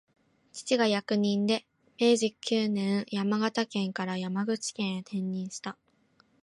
父が役人で、明治九年、山形県から山口県へ転任した